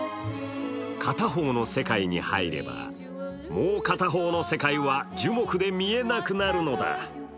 片方の世界に入れば、もう片方の世界は樹木で見えなくなるのだ。